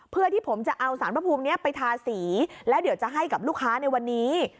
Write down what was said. เพื่อที่ผมจะเอาสารพระภูมินี้ไปทาสีแล้วเดี๋ยวจะให้กับลูกค้าในวันนี้